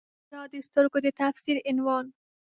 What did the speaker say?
زه د چا د سترګو د تفسیر عنوان